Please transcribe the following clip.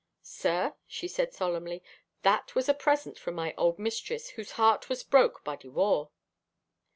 "Sir," she said solemnly, "that was a present from my old mistress whose heart was broke by de war."